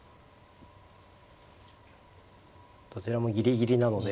どちらもギリギリなので。